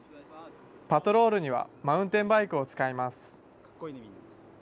パトロールにはマウンテンバイクを使います。